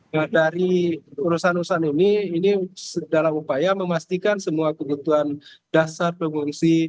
jadi dari urusan urusan ini ini dalam upaya memastikan semua kebutuhan dasar pengungsi